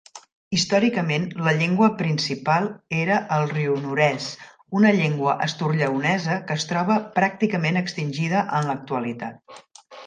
Històricament la llengua principal era el rionorés, una llengua asturlleonesa que es troba pràcticament extingida en l'actualitat.